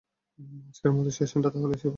আজকের মতো সেশনটা তাহলে এই পর্যন্তই থাকুক।